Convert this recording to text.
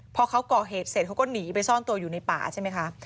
พอเขาก่อเหตุเสร็จก็หนีไปซ่อนกันในป่าใช่มั้ยคะ